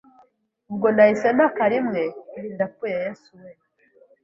Ubwo nahise ntaka rimwe nti ndapfuye Yesu weee